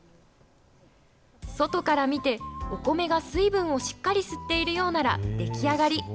外から見て、お米が水分をしっかり吸っているようなら出来上がり。